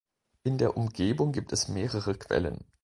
In der Umgebung gibt es mehrere Quellen.